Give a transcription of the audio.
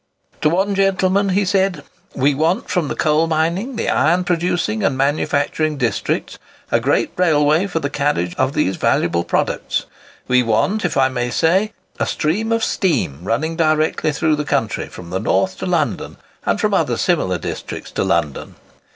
To one gentleman he said: "We want from the coal mining, the iron producing and manufacturing districts, a great railway for the carriage of these valuable products. We want, if I may so say, a stream of steam running directly through the country, from the North to London, and from other similar districts to London.